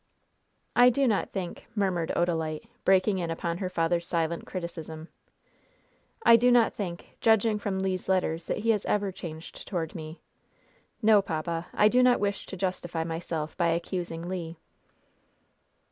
"I do not think," murmured Odalite, breaking in upon her father's silent criticism "I do not think, judging from Le's letters, that he has ever changed toward me. No, papa, I do not wish to justify myself by accusing Le."